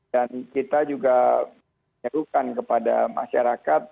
dan kita juga menyerukan kepada masyarakat